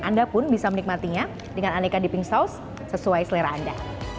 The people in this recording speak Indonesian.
anda pun bisa menikmatinya dengan aneka dipping saus sesuai selera anda